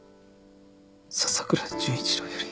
「笹倉純一郎より」